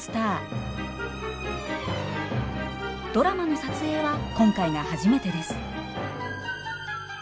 ドラマの撮影は今回が初めてです。